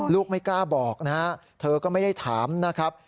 ไม่กล้าบอกนะฮะเธอก็ไม่ได้ถามนะครับ